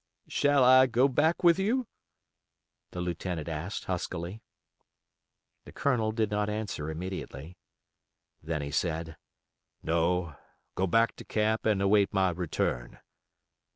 "Shall I go back with you?" the lieutenant asked, huskily. The Colonel did not answer immediately. Then he said: "No, go back to camp and await my return."